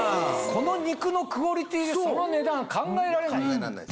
この肉のクオリティーでその値段考えられないよ。